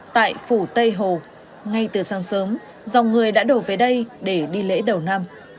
tại phủ tây hồ ngay từ sáng sớm dòng người đã đổ về đây để đi lễ đầu năm